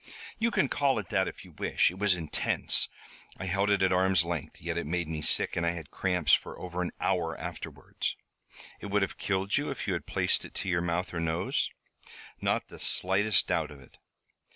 "You can call it that if you wish. It was intense. I held it at arms' length, yet it made me sick and I had cramps for over an hour afterwards." "It would have killed you if you had placed it to your mouth or nose?" "Not the slightest doubt of it."